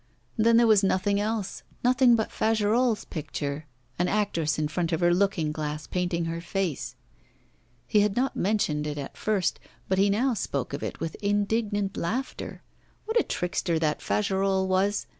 Then there was nothing else, nothing but Fagerolles' picture an actress in front of her looking glass painting her face. He had not mentioned it at first; but he now spoke of it with indignant laughter. What a trickster that Fagerolles was!